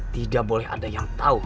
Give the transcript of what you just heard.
tidak boleh ada yang tahu